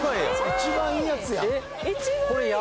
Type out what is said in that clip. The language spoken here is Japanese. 一番いいやつやん！